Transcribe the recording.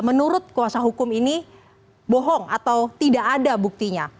menurut kuasa hukum ini bohong atau tidak ada buktinya